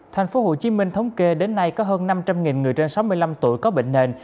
thành phố hồ chí minh thống kê đến nay có hơn năm trăm linh người trên sáu mươi năm tuổi có bệnh nền